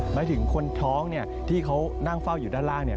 หมายถึงคนท้องที่เขานั่งเฝ้าอยู่ด้านล่าง